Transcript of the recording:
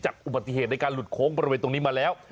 อุบัติเหตุในการหลุดโค้งบริเวณตรงนี้มาแล้ว